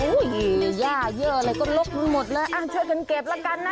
อุ้ยยี่แย่เยอะแล้วก็หลบหมดแล้วช่วยกันเก็บแล้วกันนะ